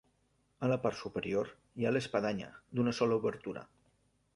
A la part superior hi ha l'espadanya, d'una sola obertura.